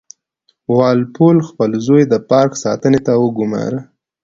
وال پول خپل زوی د پارک ساتنې ته وګوماره.